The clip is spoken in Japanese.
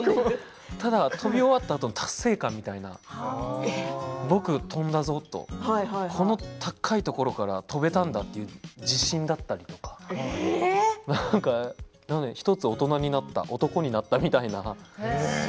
ただ、飛び終わったあとに達成感みたいな、僕飛んだぞとこの高いところから飛べたんだという自信というか１つ、大人になった男になったみたいな。